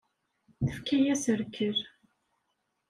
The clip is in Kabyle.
Tefka-yas rrkel.